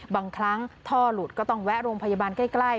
บางครั้งท่อหลุดก็ต้องแวะโรงพยาบาลใกล้